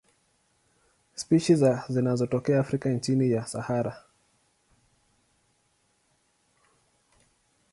Spishi za zinatokea Afrika chini ya Sahara.